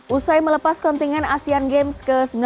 usai melepas kontingen asean games ke sembilan belas